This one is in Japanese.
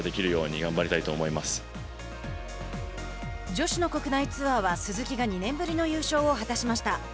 女子の国内ツアーは、鈴木が２年ぶりの優勝を果たしました。